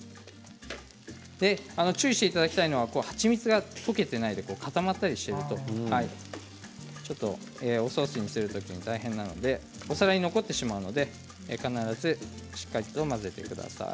注意していただきたいのは蜂蜜が溶けていないと固まったりしているとちょっと、おソースにする時に大変なのでお皿に残ってしまうので必ずしっかりと混ぜてください。